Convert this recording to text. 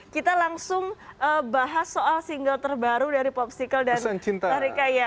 kita langsung bahas soal single terbaru dari popsicles dan teh rika